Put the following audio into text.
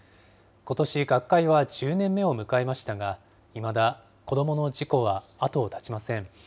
ことし、学会は１０年目を迎えましたが、いまだ子どもの事故は後を絶ちません。